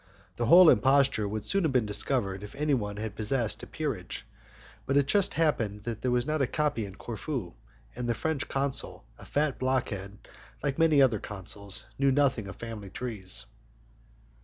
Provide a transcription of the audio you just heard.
The whole imposture would soon have been discovered if anyone had possessed a peerage, but it just happened that there was not a copy in Corfu, and the French consul, a fat blockhead, like many other consuls, knew nothing of family trees.